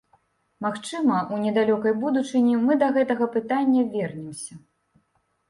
Магчыма, у недалёкай будучыні мы да гэтага пытання вернемся.